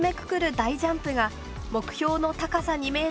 大ジャンプが目標の高さ２ｍに届きません。